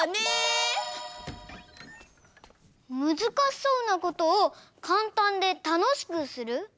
むずかしそうなことをかんたんでたのしくする？